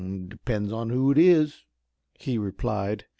"Depends on who it is," he replied.